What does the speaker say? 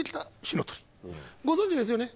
ご存じですよね？